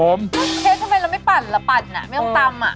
เค้กทำไมเราไม่ปั่นล่ะปั่นไม่ต้องตำ